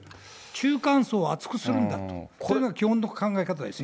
中間層を厚くするんだと、これが基本の考え方ですよ。